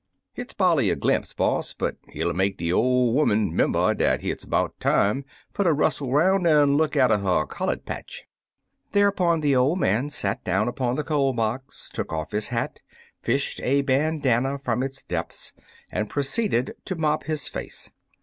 "Hit's bar'ly a glimpse, boss, but hit '11 make de ole 'oman 'member dat hit's 'bout time fer ter russle 'roun' an' look atter her coUard patch." Thereupon the old man sat down upon the coal box, took off his hat, fished a ban danna from its depths and proceeded to mop his face.